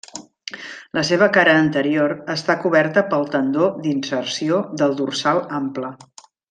La seva cara anterior està coberta pel tendó d'inserció del dorsal ample.